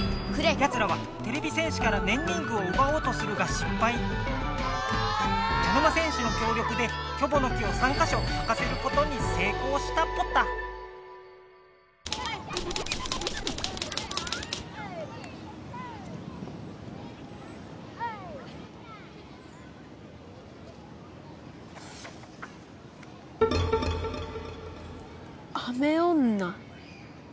やつらはてれび戦士からねんリングをうばおうとするがしっぱい茶の間戦士のきょう力でキョボの木を３かしょさかせることにせいこうしたポタ！雨女。